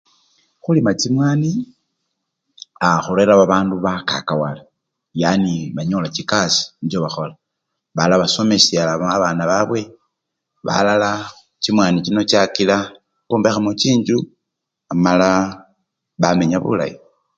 Khulima chimwani aa! khurera babandu bakakawala, yani banyola chikasii nicho bakhola, balala basyomesyelamo babana babwe, balala chimwani chino chakila bombekhamo chinjju amala bamenya bulayi.